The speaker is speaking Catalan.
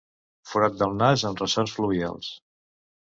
Forat del nas amb ressons fluvials.